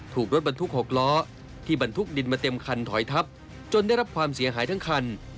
ถูกรถบรรทุก๖ล้อที่บรรทุกดินมาเต็มคันถอยทับจนได้รับความเสียหายทั้งคัน